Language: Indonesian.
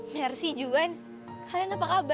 versi juan kalian apa kabar